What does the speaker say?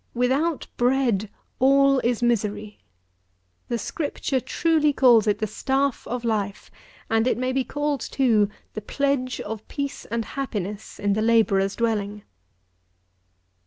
Without bread, all is misery. The Scripture truly calls it the staff of life; and it may be called, too, the pledge of peace and happiness in the labourer's dwelling.